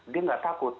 dia tidak takut